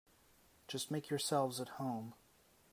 Just make yourselves at home.